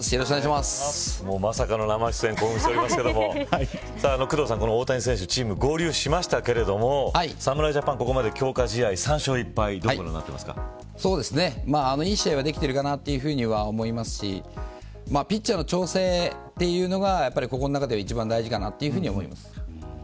まさかの生出演に興奮しておりますけども工藤さん、大谷選手チーム合流しましたけれども侍ジャパン、ここまで強化試合３勝１敗いい試合ができているかなと思いますしピッチャーの調整というのがここの中では一番大事かなと思います。